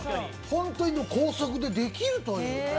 本当に高速でできるという。